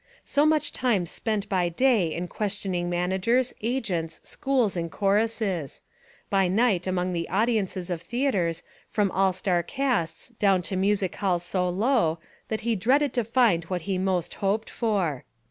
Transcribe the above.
So much time spent by day in question ing managers, agents, schools and choruses; by night among the audiences of theatres from all star casts down to music halls so low that he dreaded to find what he most hoped for.